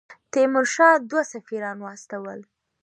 تیمورشاه دوه سفیران واستول.